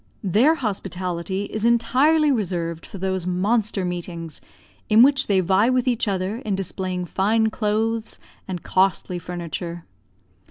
Their hospitality is entirely reserved for those monster meetings in which they vie with each other in displaying fine clothes and costly furniture.